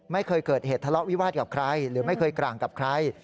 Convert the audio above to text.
ไม่เคยเกิดเหตุทะเลาะวิวาสกับใครหรือไม่เคยกลางกับใคร